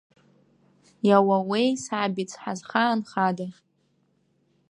Иауауеи сабиц, ҳазхаанхада.